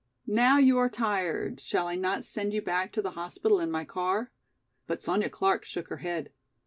Now you are tired, shall I not send you back to the hospital in my car?" But Sonya Clark shook her head.